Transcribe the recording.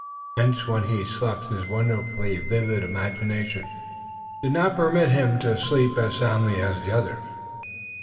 Hence when he slept his wonderfully vivid imagination did not permit him to sleep as soundly as the others.